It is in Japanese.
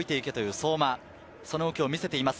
相馬、その動きを見せています。